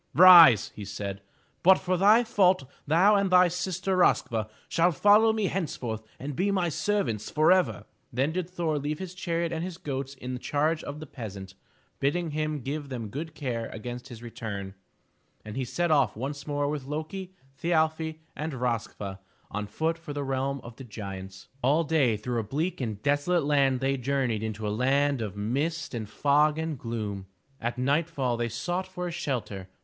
Rise," he said, "but for thy fault thou and thy sister Rosk'va shall follow me henceforth and be my servants forever." Then did Thor leave his chariot and his goats in the charge of the peasant, bidding him give them good care against his return, and he set off once more with Lo'ki, Thi arfi and Rosk'va on foot for the realm of the giants. All day through a bleak and desolate land they journeyed into a land of mist and fog and gloom. At nightfall they sought for a shelter.